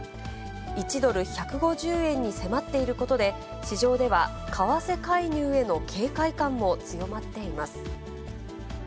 １ドル１５０円に迫っていることで、市場では為替介入への警戒感も強まっています。